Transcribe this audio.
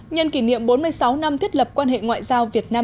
nhân kỷ niệm bốn mươi sáu năm thiết lập quan hệ ngoại giao việt nam